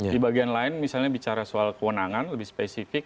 di bagian lain misalnya bicara soal kewenangan lebih spesifik